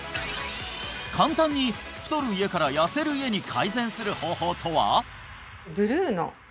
簡単に太る家から痩せる家に改善する方法とは？